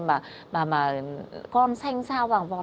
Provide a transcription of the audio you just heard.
mà con xanh sao vàng vọt